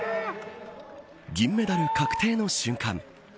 銀メダル確定の瞬間。